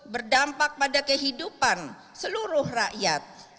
berdampak pada kehidupan seluruh rakyat